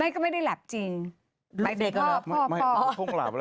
ก็ไม่ได้หลับจริง